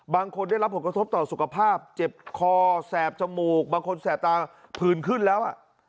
บางคนได้รับผลกระทบต่อสุขภาพเจ็บคอแสบจมูกบางคนแสบตาผื่นขึ้นแล้ว